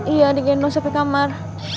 iya digendong sampai kamar